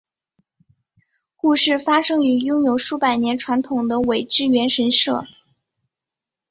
故事发生于拥有数百年传统的苇之原神社。